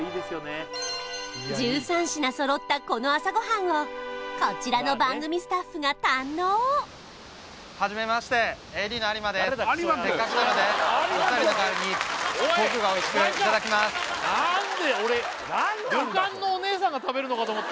１３品そろったこの朝ごはんをこちらの番組スタッフが堪能なんで俺なんなんだ